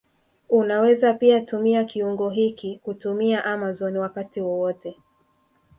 Unaweza pia tumia kiungo hiki kutumia Amazon wakati wowote